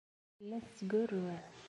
Tella tettgurruɛ.